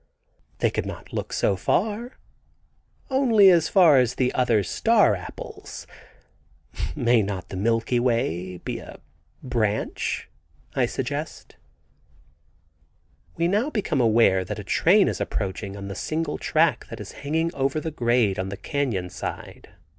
"They could not look so far. Only as far as the other star apples. May not the Milky Way be a branch?" I suggest. We now become aware that a train is approaching on the single track that is hanging over the grade on the canyon side.